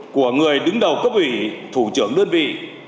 của người đứng đầu cấp ủy thủ trưởng đơn vị